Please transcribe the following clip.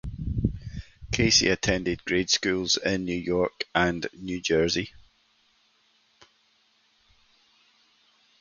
Kacy attended grade schools in New York and New Jersey.